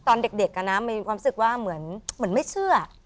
ตอนเด็กมีความรู้สึกว่าเหมือนไม่เชื่อ